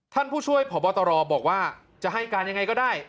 ท่านผู้ช่วยผอบตรบอกว่าจะให้การยังไงก็ได้